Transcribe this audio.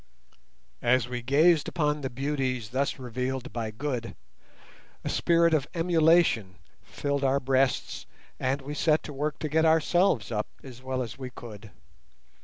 As we gazed upon the beauties thus revealed by Good, a spirit of emulation filled our breasts, and we set to work to get ourselves up as well as we could.